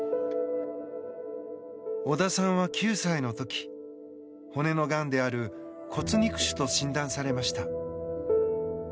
小田さんは９歳の時骨のがんである骨肉腫と診断されました。